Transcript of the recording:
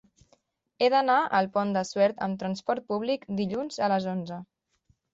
He d'anar al Pont de Suert amb trasport públic dilluns a les onze.